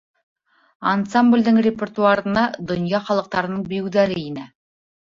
Ансамблдең репертуарына донъя халыҡтарының бейеүҙәре инә.